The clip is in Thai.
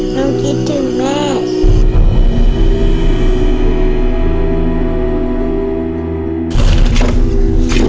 น้องคิดถึงแม่